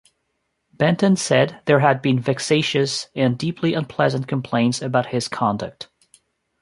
Benton said there had been "vexatious and deeply unpleasant" complaints about his conduct.